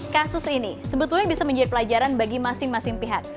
kasus ini sebetulnya bisa menjadi pelajaran bagi masing masing pihak